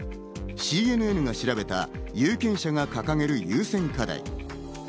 ＣＮＮが調べた有権者が掲げる優先課題。